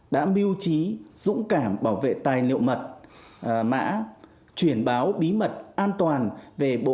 đã mưu trí dũng cảm bảo vệ tài liệu mật mã chuyển báo bí mật an toàn về bộ